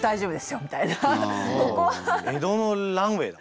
江戸のランウェイだ。